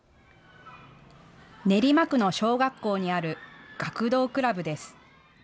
練馬区の小学校にある学童クラブです。